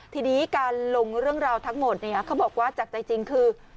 ทีนี้การลงเรื่องราวทั้งหมดเนี่ยเขาบอกว่าจากใจจริงคือ